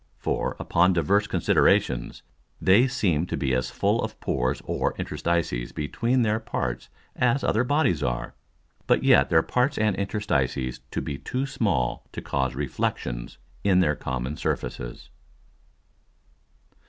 For, upon divers Considerations, they seem to be as full of Pores or Interstices between their parts as other Bodies are, but yet their Parts and Interstices to be too small to cause Reflexions in their common Surfaces.